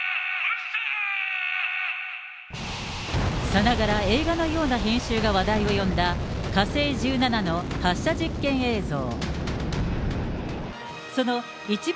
さながら映画のような演出が話題を呼んだ、火星１７の発射実験映像。